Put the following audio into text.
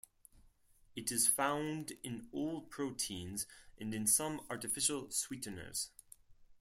It is found in all proteins and in some artificial sweeteners.